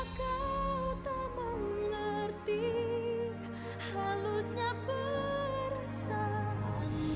mengapa kau tak mengerti halusnya perasaanku